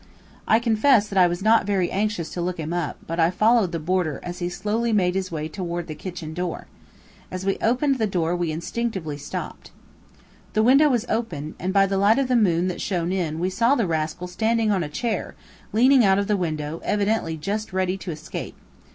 I confess that I was not very anxious to look him up, but I followed the boarder, as he slowly made his way toward the kitchen door. As we opened the door we instinctively stopped. The window was open, and by the light of the moon that shone in, we saw the rascal standing on a chair, leaning out of the window, evidently just ready to escape.